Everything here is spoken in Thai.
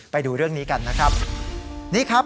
ไปดูเรื่องนี้กันนะครับ